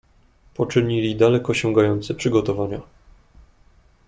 "Poczynili daleko sięgające przygotowania."